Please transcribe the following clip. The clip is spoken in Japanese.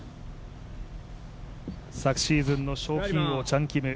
昨シーズンの賞金王、チャン・キム。